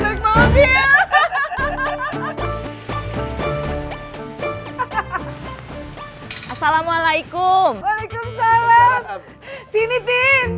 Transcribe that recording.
assalamualaikum waalaikumsalam sini tin